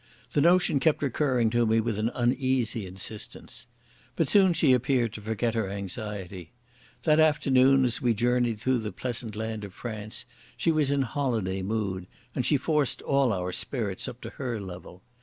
The notion kept recurring to me with an uneasy insistence. But soon she appeared to forget her anxiety. That afternoon as we journeyed through the pleasant land of France she was in holiday mood, and she forced all our spirits up to her level.